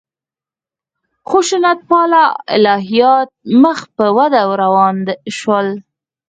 خشونت پاله الهیات مخ په وده روان شول.